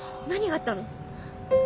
何があったの？